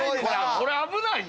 これ危ないよ。